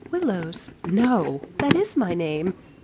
'Willows.' 'No!' 'That is my name.'